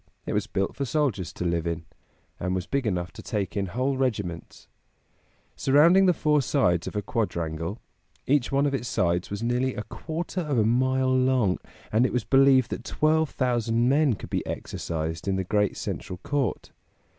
It was built for soldiers to live in, and was big enough to take in whole regiments. Surrounding the four sides of a quadrangle, each one of its sides was nearly a quarter of a mile long, and it was believed that twelve thousand men could be exercised in the great central court.